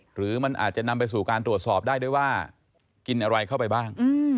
หรือมันอาจจะนำไปสู่การตรวจสอบได้ด้วยว่ากินอะไรเข้าไปบ้าง